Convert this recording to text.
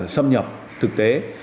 xâm nhập thực tế